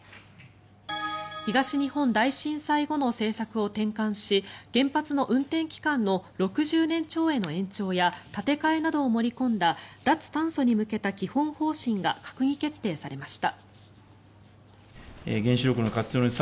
東日本大震災後の政策を転換し原発の運転期間の６０年超への延長や建て替えなどを盛り込んだ脱炭素に向けた基本方針が閣議決定されました。